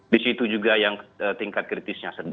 di situ juga yang tingkat kritisnya sedang